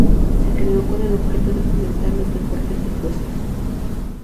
Se creó con el objeto de fomentar los deportes ecuestres.